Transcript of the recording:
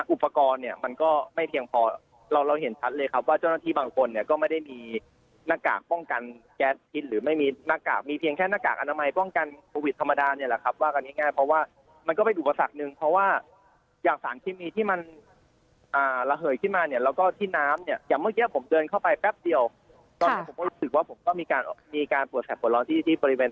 อุปกรณ์เนี่ยมันก็ไม่เพียงพอเราเห็นชัดเลยครับว่าเจ้าหน้าที่บางคนเนี่ยก็ไม่ได้มีหน้ากากป้องกันแก๊สพิษหรือไม่มีหน้ากากมีเพียงแค่หน้ากากอนามัยป้องกันโปรวิตธรรมดาเนี่ยแหละครับว่ากันง่ายเพราะว่ามันก็เป็นอุปสรรคหนึ่งเพราะว่าอย่างสารที่มีที่มันระเหยขึ้นมาเนี่ยแล้วก็ที่น้ำเนี่ยอย่